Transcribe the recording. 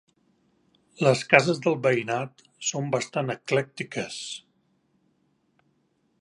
Les cases del veïnat són bastant eclèctiques.